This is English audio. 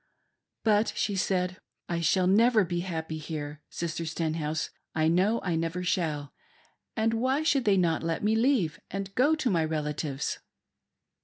" But," she said, "I shall never be happy here, Sister Stenhouse, I know I never shall ; and why should they not let me leave and go to my relatives